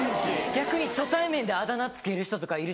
逆に初対面であだ名付ける人とかいる。